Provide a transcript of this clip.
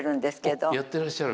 おっやってらっしゃる？